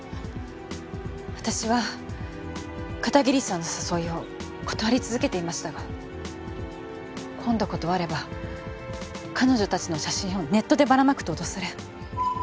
私は片桐さんの誘いを断り続けていましたが今度断れば彼女たちの写真をネットでばらまくと脅され。